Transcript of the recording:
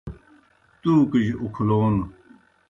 تُوکِجیْ اُکھلون